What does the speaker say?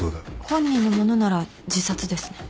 本人のものなら自殺ですね。